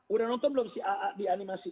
udah nonton belum si di animasi